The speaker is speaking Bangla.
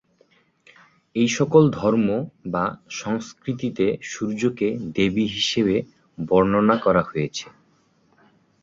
এই সকল ধর্ম বা সংস্কৃতিতে সূর্যকে দেবী হিসেবে বর্ণনা করা হয়েছে।